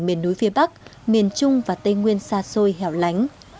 miền núi phía bắc miền trung và tây nguyên xa xôi hẻo lánh